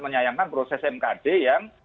menyayangkan proses mkd yang